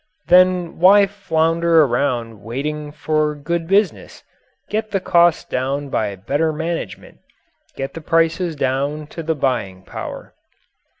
Then why flounder around waiting for good business? Get the costs down by better management. Get the prices down to the buying power.